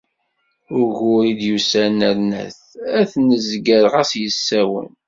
Ugur i d-yusan nerna-t, ad t-nezger ɣas yessawen.